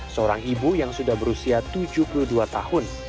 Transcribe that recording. seorang ibu yang sudah berusia tujuh puluh dua tahun